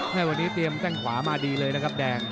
แม่วันนี้เตรียมแข้งขวามาดีเลยนะครับแดง